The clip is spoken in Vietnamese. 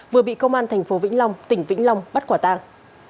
vừa bị công an thành phố vĩnh long tỉnh vĩnh long bắt quả tang